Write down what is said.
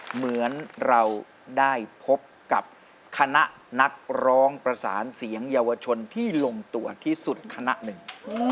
เหมือนเราได้พบกับคณะนักร้องประสานเสียงเยาวชนที่ลงตัวที่สุดคณะหนึ่ง